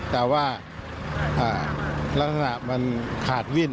แต่ว่าลักษณะมันขาดวิ่น